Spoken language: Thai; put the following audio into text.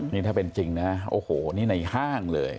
นี่ถ้าเป็นจริงนะโอ้โหนี่ในห้างเลย